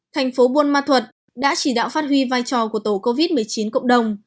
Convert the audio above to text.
thành phố buôn ma thuật đã chỉ đạo phát huy vai trò của tổ covid một mươi chín cộng đồng